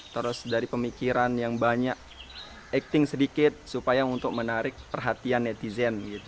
terus dari pemikiran yang banyak acting sedikit supaya untuk menarik perhatian netizen